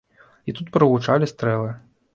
І тут прагучалі стрэлы.